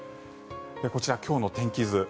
こちら今日の天気図。